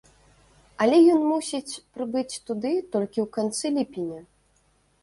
Але ён мусіць прыбыць туды толькі ў канцы ліпеня.